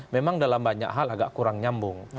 memang dalam banyak hal agak kurang nyambung